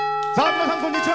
皆さん、こんにちは！